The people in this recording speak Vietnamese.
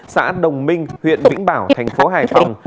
xã đồng minh huyện vĩnh bảo thành phố hải phòng